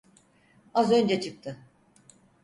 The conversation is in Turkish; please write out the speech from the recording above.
Az önce çıktı.